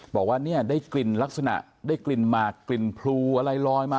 บอกว่าเนี่ยได้กลิ่นลักษณะได้กลิ่นหมากกลิ่นพลูอะไรลอยมา